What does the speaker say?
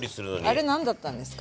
あれ何だったんですか？